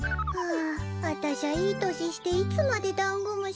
ああたしゃいいとししていつまでダンゴムシを。